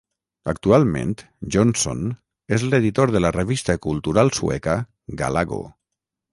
Actualment, Jonsson és l'editor de la revista cultural sueca "Galago".